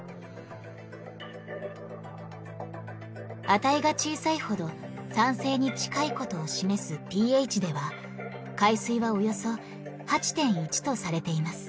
値が小さいほど酸性に近いことを示すｐＨでは海水はおよそ８．１とされています。